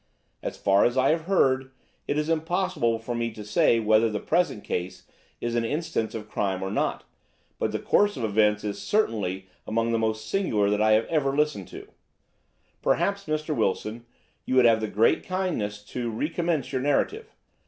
As far as I have heard, it is impossible for me to say whether the present case is an instance of crime or not, but the course of events is certainly among the most singular that I have ever listened to. Perhaps, Mr. Wilson, you would have the great kindness to recommence your narrative.